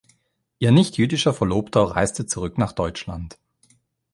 Ihr nichtjüdischer Verlobter reiste zurück nach Deutschland.